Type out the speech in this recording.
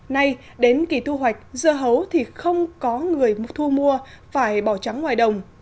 nay đến kỳ thu hoạch dưa hấu thì không có người thu mua phải bỏ trắng ngoài đồng